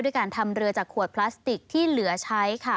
การทำเรือจากขวดพลาสติกที่เหลือใช้ค่ะ